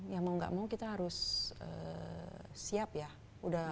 ya mau gak mau kita harus siap ya